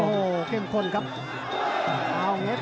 เอาเห็กนัด